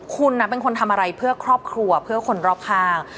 คุณเป็นคนทำอะไรเพื่อครอบครัวเพื่อคนรอบข้าง